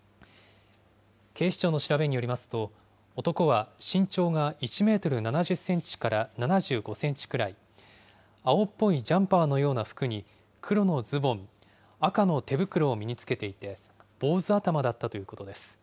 警視庁の調べによりますと、男は身長が１メートル７０センチから７５センチくらい、青っぽいジャンパーのような服に、黒のズボン、赤の手袋を身に着けていて、坊主頭だったということです。